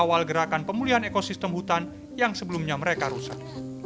awal gerakan pemulihan ekosistem hutan yang sebelumnya mereka rusak